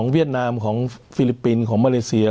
เวียดนามของฟิลิปปินส์ของมาเลเซีย